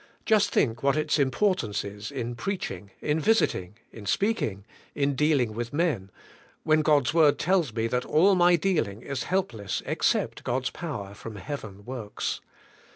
Just think what its importance is in preaching , in visiting , in speaking, in dealing with men, when God's word tells me that all my dealing is helpless except God's power from heaven works.